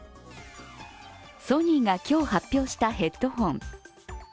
ソニーが今日発表したヘッドホン。